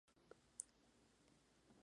Este misil se cubre en un artículo separado.